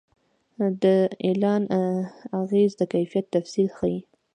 د اعلان اغېز د کیفیت تفصیل ښيي.